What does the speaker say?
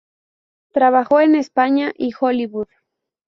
Trabajó en España y Hollywood.